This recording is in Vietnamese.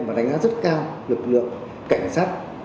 và đánh giá rất cao lực lượng cảnh sát